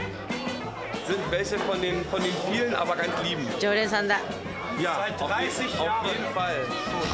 常連さんだ。